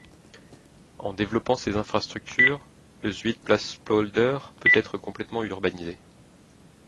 En développant ces infrastructures, le Zuidplaspolder peut être complètement urbanisé.